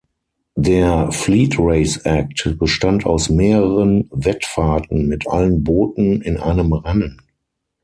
Der Fleet-Race-Act bestand aus mehreren Wettfahrten mit allen Booten in einem Rennen.